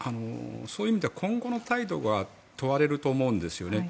そういう意味では今後の態度が問われると思うんですね。